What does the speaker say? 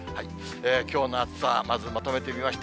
きょうの暑さ、まずまとめてみました。